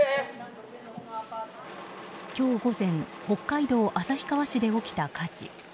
今日午前北海道旭川市で起きた火事。